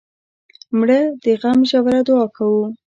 مړه ته د غم ژوره دعا کوو